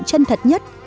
chân thật nhất